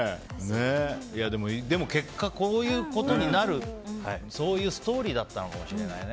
でも結果、こういうことになるそういうストーリーだったのかもしれないね。